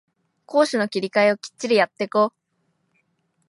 攻守の切り替えをきっちりやってこ